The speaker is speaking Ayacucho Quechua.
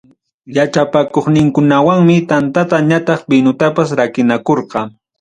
Yachapakuqninkuwanmi tantata ñataq vinutapas rakinakurqa.